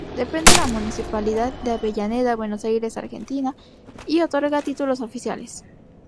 Depende de la Municipalidad de Avellaneda, Buenos Aires, Argentina y otorga títulos oficiales.